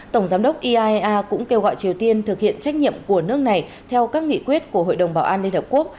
tổng giám đốc iaea cũng kêu gọi triều tiên thực hiện trách nhiệm của nước này theo các nghị quyết của hội đồng bảo an liên hợp quốc